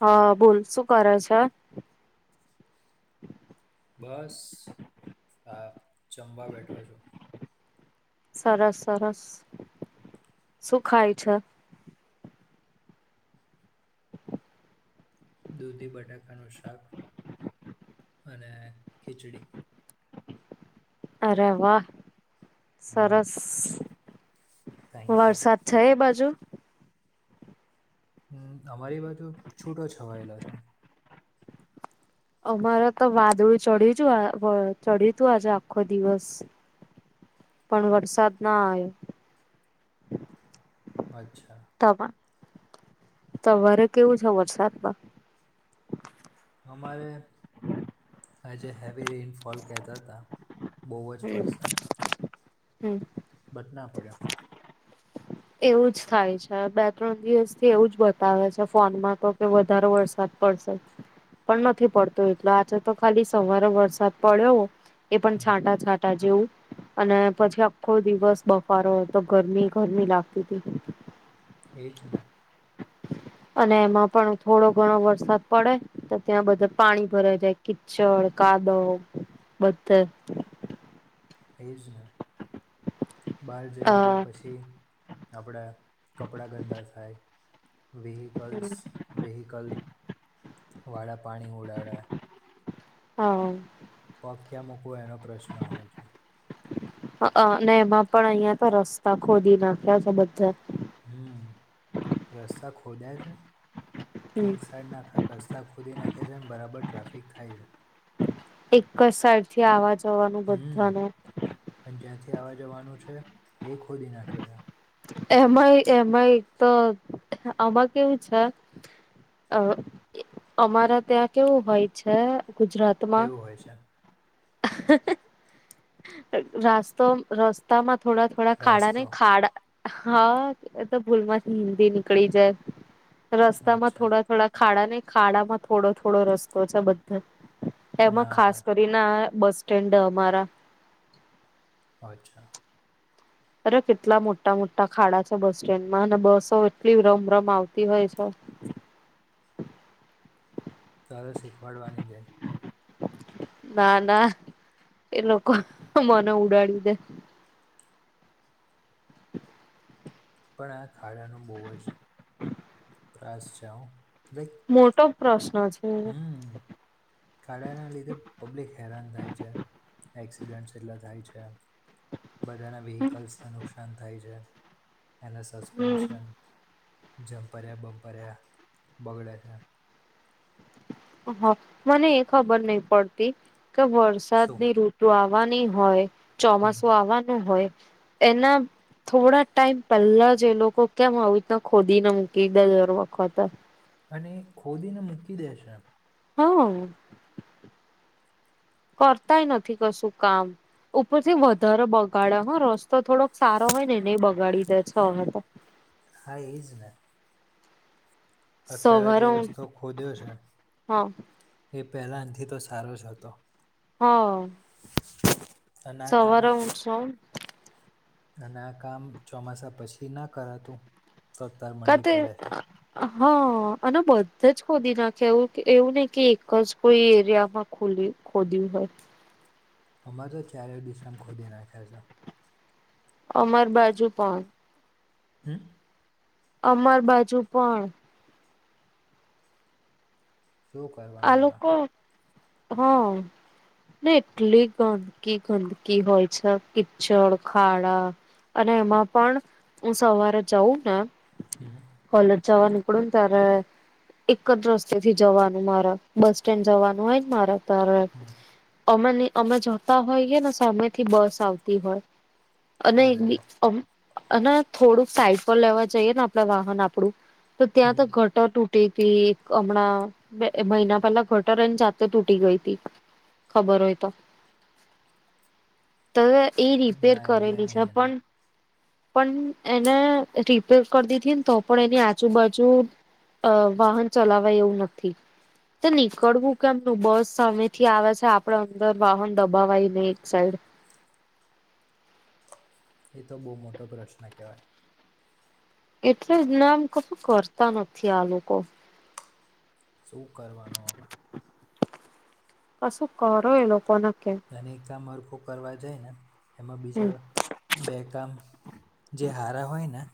હા બોલ શું કરે છે, બસ હા જમવા બેઠો છું. સરસ સરસ શું ખાય છે, દૂધી, બટાકાનું શાક અને ખીચડી, અરે વાહ હમ સરસ થેન્ક યુ વરસાદ. છએ, બાજુ હું તમારી બાજુ છૂટો છવાયેલો છે. અમારે તો વાદળું ચડીયુ ચડ્યું તું આજે આખો દિવસ, પણ વરસાદના આવ્યો, અચ્છા, તમારે કેવું છે, વરસાદમાં અમારે, આજે હેવી રેનફોલ કેતા જ હતા, બહુ જ હું, હું બદના પડ્યો, એવુંજ થાય છે, બે -ત્રણ દિવસથી એવું જ બતાવે છે, ફોનમાં તોકે વધારે વરસાદ. પણ નથી પડતું એટલે આજે તો ખાલી સવારે વરસાદ પડ્યો, એ પણ હમ, છાંટા છાંટા જેવું, અને પછી આખો દિવસ બફારો હોય તો ગરમી ગરમી લાગતી હતી, એવીજ ને અને એમાં પણ થોડો ઘણો વરસાદ પડે, તો ત્યાં બધા પાણી ભરાય જાય કિચડ કાદવ બધા, એજને બહાર જઈ અ એટલે પછી આપણે કપડા ગંદા થાય, વેહિકલ્સ વિહીકલ વાળા પાણી ઉડાડયા. [inaudible] હા. પગ ક્યાં મૂકવો એનો પ્રશ્ન હોય છે અને એમાં પણ અહિયાં તો રસ્તા ખોદી નાખ્યા છે બધા હું રસ્તા ખોદયા હમ છે એક સાઈડના આખા. રસ્તા ખોદી નાખે છે અને બરાબર ટ્રાફિક થાય છે. એક જ સાઈડથી આવા જવાનું હમ બધાને અને જ્યાંથી આવા જવાનું છે એ ખોદી નાખ્યો છે. એમાંય એમાંય તો આમાં કેવું છે અ અમારા ત્યાં કેવું હોય છે ગુજરાત કેવું હોય છે? રાસ્તો રસ્તામાં થોડા થોડા ખાડા ને રાસ્તો ખાડા હા એતો ભૂલમાંથી હિન્દી નીકળી જાય રસ્તામાં અચ્છા થોડા થોડા ખાડા ને ખાડામાં થોડો થોડો રસ્તો છે બધા એમાં ના ખાસ હોય તો ઈ ના બસ સ્ટેન્ડ અમારા અચ્છા અરે કેટલા મોટા મોટા ખાડા છે બસસ્ટેન્ડમાં અને બસો એટલી રમ -રમ આવતી હોય છે. તારે શીખવાડવાની છે ના ના એલોકો મને ઉડાડી દે પણ આ ખાડાનું બહુ અ જ ત્રાસ છે હો. મોટો પ્રશ્ન છે હમ ખાડાના લીધે પબ્લિક હેરાન થાય છે એક્સિડેન્ટસ એટલા થાય છે. બધાના વ્હીકલ્સને નુકસાન થાય છે એના હમ સસ્પેન્શન જંપર્યા બંપર્યા બગડે છે. હા મને એ ખબર નહી પડતી કે શું વરસાદની ઋતુ આવવાની હોય હમ ચોમાસું આવવાનું હોય એના થોડા ટાઈમ પહેલાજ એ લોકો કેમ આવી રીતના ખોદીને મૂકી દે દર વખત અને એ ખોદીને મૂકી દેશે. હમ્મ. કરતાય નથી કશું કામ. ઉપર થી વધારે બગાડ્યા હો રસ્તો થોડોક સારો હોય ને એને બગાડી દે છે હવે તો. હા એજ ને. અત્યારે જે સવારે હ રસ્તો ખોદ્યો છે હા એ પહેલાથી તો સારો જ હતો. હા અને આ કામ સવાર ઊઠશો અને આ કામ ચોમાસા પછીના કરાતું તો અત્યારે મંડી કતે પડે છે [inaudible] હા અને બધે જ ખોદી નાખ્યા એવું એવું નહિ કે એકજ કોઈ એરિયામાં ખુલ્યું ખોદ્યું હોય. અમારે તો ચારે દિશામ ખોદી નાખ્યા છે. અમાર બાજુ પણ. હમ્મ. અમાર બાજુ પણ શું કરવાનું આ આલુકો હા. ને એટલી ગંદકી ગંદકી હોય છે કિચડ ખાડા અને એમાં પણ હું સવારે જઉં ને [inaudible] કોલેજ જવા નીકળ્યું ને ત્યારે એકજ રસ્તે થી જવાનું મારા બસ સ્ટેન્ડ જવાનું હોયને મારા તારે હમ અમે અમે જતા હોઈએ ને સામે થી બસ. હોય અને અરે રે દિન અને થોડુંક સાઈડ પર લેવા જઈએ ને આપડ વાહન આપડું તો ત્યાં હમ તો ઘટ. ટ તૂટે કે એક હમણાં. બે મહિના પહેલા ઘટર એ જાતે તૂટી ગઈ હતીી ખબર હોય તો. [inaudible] ત એ રિપેર ના આઈડિયા કરેલી છે નહીં એનો પણ. પણ એને રિપેર કરી દીધી ને તો પણ એની આજુબાજુ. અ વાહન ચલાવાય એવું નથી તે નીકળવું કેમનું બસ સામે. થી આવે છે આપડ અંદર વાહન દબાવાય નહી એક સાઈડ. એ તો બહુ મોટો પ્રશ્ન કહેવાય. એટલેજ ના એમ કશું કરતા નથી આ લોકો. શું કરવાનું હવે. કશું કરો એ લોકોને કેમ. અનેને એક કામ હરખુ કરવા જાય ને. એમાં બીજા હમ બે કામ જે હારા હોય ને.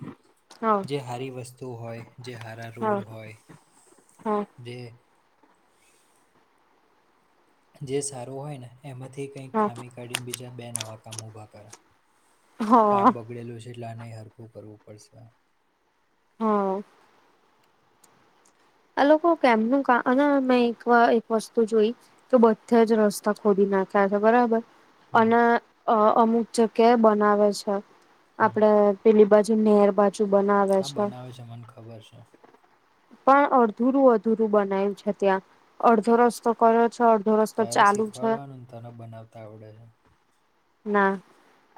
હા જે સારી વસ્તુ હોય જે હારા હા રોડ હોય હા જે. જે સારું હોય ને એમાંથી કઈ હા ખામી કાઢીને બીજા બે નવા કામ ઉભા કરે. કા હા બગડેલું છે એટલે આને હરખું કરવું પડશે. હા. આ લોકો કેમનું મે એક એક વસ્તુ જોઈ. તો બધાજ રસ્તા ખોલી નાખ્યા છે બરાબર. હમ અને અમુક જગ્યા બનાવે છે હમ આપડે. પેલી બાજુ નહેર બાજુ બનાવે છે અચ્છા મને ખબર છે પણ અધુરું અધુરું બનાયું છે ત્યાં અડધો રસ્તો કર્યો છે અડધો રસ્તો તારે ચાલુ છે શીખવાડવાનું ને તને બનાવતા આવડે છે ના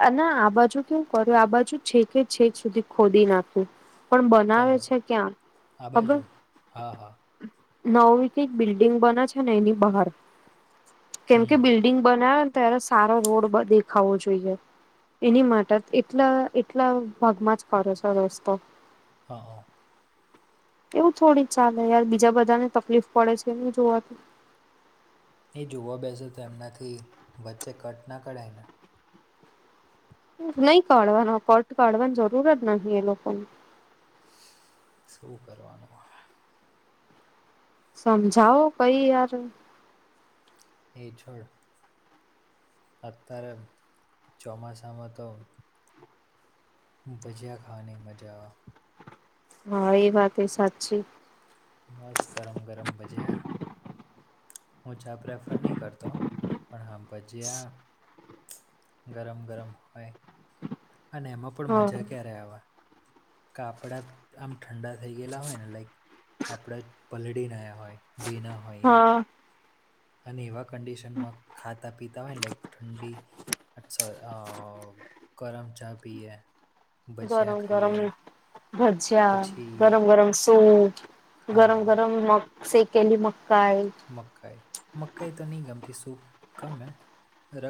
અને આ બાજુ કેવું કર્યું આ બાજુ છેકે છેક સુધી ખોદી નાખું પણ ક્યાં બનાવે બાજુ છે ક્યાં આ ખબર બાજુ હા હા નવી કઈક બિલ્ડિંગ બને છે ને એની બહાર કેમ કે હમ બિલ્ બિલ્ડિગ બનાવેને ત્યારે સારો રોડ દેખાવો જોઈએ એની માટે એટલા એટલા ભાગમાં જ કરો છે રસ્તો હા હા એવું થોડી ચાલે યાર બીજા બધા ને તકલીફ પડે છે એ જોવાતું એ જોવા બેસો તો એમનાથી વચ્ચે કટ ના કઢાયને નહી કાઢવાનો કટ કાઢવાની જરૂર જ નહી એ લોકોને શુ કરવાનું આ સમજાવો કઈ યાર એ છોડ અત્યારે ચોમાસામાં તો ભજ્યા ખાવાની મજા હા એ વાતે સાચી મસ્ત ગરમ ગરમ ભજીયા હું ચા પ્રેફર નહીં કરતો પણ હા ભજીયા ગરમ ગરમ હોય અને એમાં પણ હા મજા ક્યારે આવે કાપડા આમ ઠંડા થઈ ગયેલા હોય ને લાઈક આપણા પલળીને આયા હોય ભીના હોઇએ હા અને એવા કંડિશનમાં ખાતા પીતા હોય ને લાઇક ઠંડી અક્ષર ગરમ ચા પીએ ભજિયા ગરમ ગરમ ખાઈએ ભજીયા પછી ગરમ ગરમ સૂપ ગરમ હા ગરમ મગ સેકેલી મકાઈ મકાઈ મકાઈ તો ની ગમતી સૂપ ગમે ર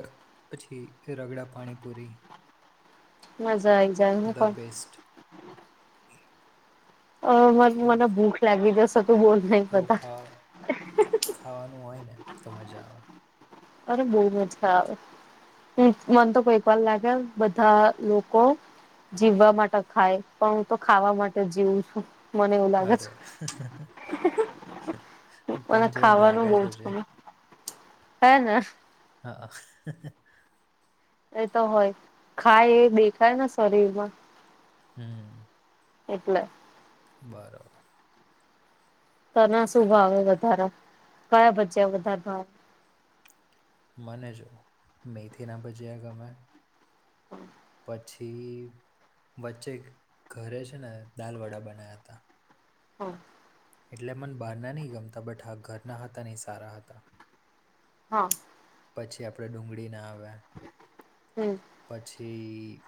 પછી રગડા પાણીપુરી મજા આઈ જાય હું ધ પણ બેસ્ટ અવૅ મને એવું મને ભૂખ લાગી જશે તું બોલ નહી એવું બધા ખા ખાવાનું હોય ને તો મજા આવે અરે બહુ મજા આવે અ મન તો કોઈક વાર લાગે બધા લોકો જીવવા માટે ખાય પણ હું તો ખાવા માટે જીવું છું મને એવું લાગે છે અરે હ હ હ તન જોઈને લાગે છે જ એ હૅને હા એ તો હોય ખાય એ દેખાય ને શરીર માં હમ એટલે બરોબર તને શું ભાવે વધારે કયા ભજિયા વધારે ભાવે મને જો મેથી ના ભજીયા ગમે હમ પછી વચ્ચે ઘરે છે ને દાલ વડા બના્યા હતા હમ એટલે મન બહારના નહીં ગમતા બટ હા ઘરના હતા નહીં સારા હતા હા પછી આપણે ડુંગળી ના આવ્યા હમ પછી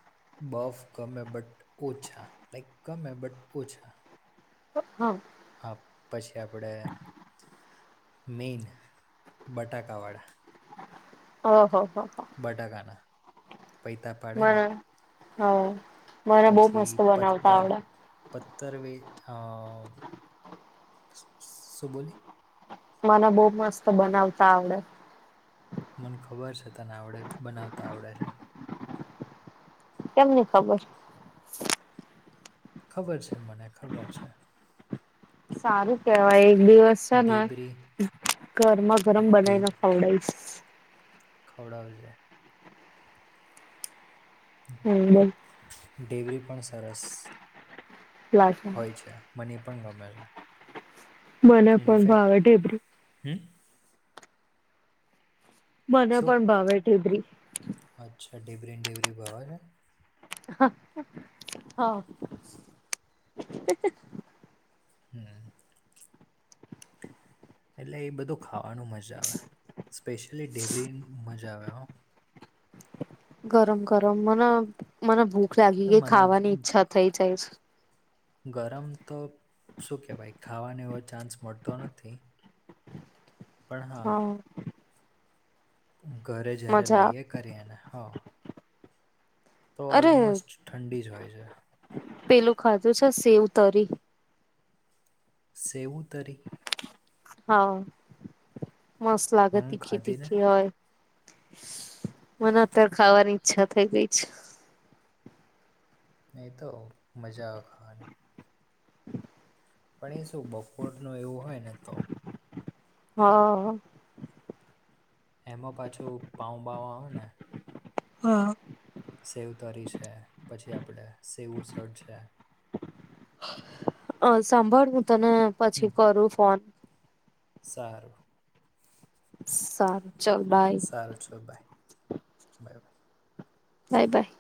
બફ કમે બટ ઓછા લક કમે બટ ઓછા તો હમ હ પછી આપડે મેઈન બટાકાવાળા ઓહ હો બટગના મરા હ મરા બહ મસ્ત બનાવતા આવડ પતર વ શું બોલી મને બહુ મસ્ત બનાવતા આવડે મને ખબર છે તને આવડે બનાવતા આવડે છે કેમનેની ખબર ખબર છે મને ખબર છે સારું કેવાય એક દિવસ છે ને ઢેબરી ગરમા ગરમ બનાવને ખવડાાય છે ખવડાવજ હમ બ ડેવરી પણ સરસ લાગે હોય છે મને પણ ગમે છે મને પણ ઇનફેક્ટ ભાવ ઢેબ્રું હમ મને શું પણ ભાવેઠીધરી અચ્છા ડેબરીન ડેબરી બોય હ હમ એટલે એ બધું ખાવાનું મજા આવે સ્પેશિયલી ઢેબરી મજા આવે. ગરમ ગરમ મને મને ભૂખ તો લાગી કેઈ મને ખાવાની ગ- ઈચ્છા થઈ જાય છે. ગરમ તો શું કહેવાય ખાવાનો એવો ચાન્સ મળતો નથી. પણ હા ઘરે જ્યારે મજા આવે. લાઈએ કરીએને હા તો અરે ઓલમોસ્ટ ઠંડી જ હોય છે. પેલું ખાધું છે સેવ તરી સેવતરી હા મસ્ત લાગે હું તીખી ખાધી ને તીખી હોય. મને અત્યારે ખાવાની ઈચ્છા થઈ ગઈ છે. એતો મજા અવે ખાવાની [inaudible] પણ એ શું બપોરનું એવું હોય ને તો હ એમાં પાછું પાઉબઉ આવે ને હા સેવ તરી છે પછી આપડે સેવું સડ છે. અ સાંભળ હું તને હમ, પછી કરું ફોન સારું સારું ચલ બાય સારું ચલ બાઈ બાય બાય બાય બાય